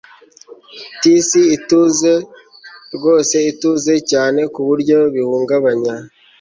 Tis ituze rwose ituze cyane ku buryo bihungabanya